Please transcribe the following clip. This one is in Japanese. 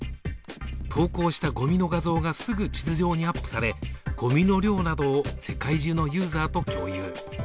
投稿したごみの画像がすぐ地図上にアップされごみの量などを世界中のユーザーと共有。